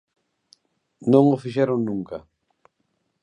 Non o fixeron nunca.